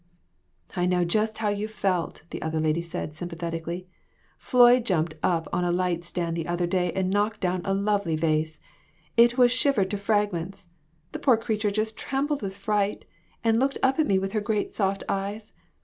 "I know just how you felt," the other lady said, sympathetically. "Floy jumped up on a light stand the other day and knocked down a lovely vase. It was shivered to fragments. The poor creature just trembled with fright, and looked up at me with her great soft eyes.